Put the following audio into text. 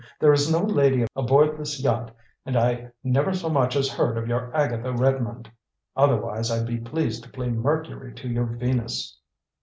There is no lady aboard this yacht, and I never so much as heard of your Agatha Redmond. Otherwise, I'd be pleased to play Mercury to your Venus."